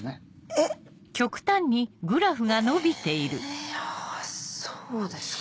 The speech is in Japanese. えっ！えそうですか。